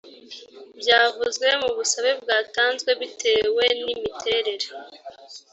byavuzwe mu busabe bwatanzwe bitewe n miterere